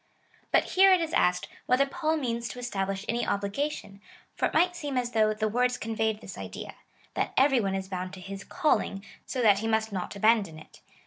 But here it is asked, whether Paul means to esta blish any obligation,^ for it might seem as though the words conveyed this idea, that every one is bound to his calling, so that he must not abandon it.